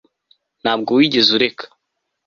Ntabwo wigeze ureka